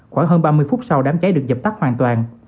khoảng hơn ba mươi phút sau đám cháy được dập tắt hoàn toàn